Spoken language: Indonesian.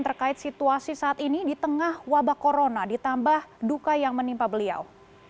terkait situasi saat ini di tengah wabah corona ditambah duka yang menimpa beliau